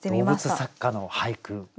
動物作家の俳句。